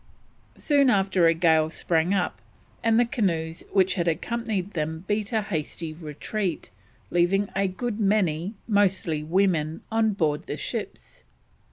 Soon after a gale sprang up, and the canoes which had accompanied them beat a hasty retreat, leaving a good many, mostly women, on board the ships.